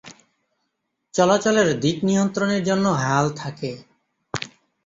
চলাচলের দিক নিয়ন্ত্রণের জন্য হাল থাকে।